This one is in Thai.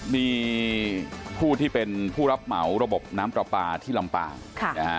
มีผู้ที่เป็นผู้รับเหมาระบบน้ำปลาปลาที่ลำปางค่ะนะฮะ